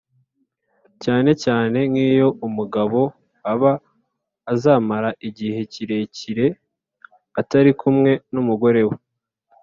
cyane cyane nk’iyo umugabo aba azamara igihe kirekire atari kumwe n’umugore we.